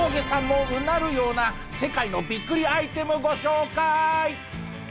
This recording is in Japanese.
もうなるような世界のびっくりアイテムご紹介！